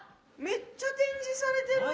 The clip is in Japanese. めっちゃ展示されてる。